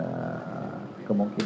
saya dia sydiran